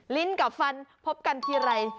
ลิ้นกับฟันพบกันทีไร